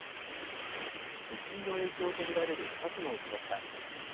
地震の影響とみられる火事も起きました。